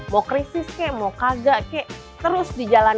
mau krisis kek mau kagak kek terus dijalankan